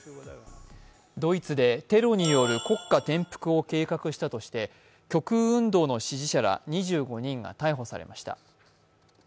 ドイツでテロによる国家転覆を計画したとして極右運動の支持者ら２５人が逮捕されました。